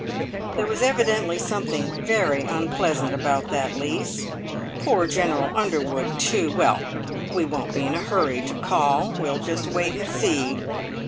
There was evidently something very unpleasant about that lease. Poor General Underwood, too. Well, we won't be in a hurry to call. We will just wait and see!"